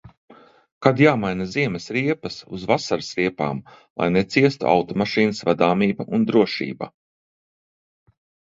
Kad jāmaina ziemas riepas uz vasaras riepām, lai neciestu automašīnas vadāmība un drošība?